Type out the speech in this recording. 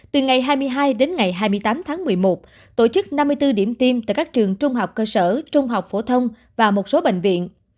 từ ngày hai mươi hai đến ngày hai mươi tám tháng một mươi một tổ chức năm mươi bốn điểm tiêm tại các trường trung học cơ sở trung học phổ thông và một số bệnh viện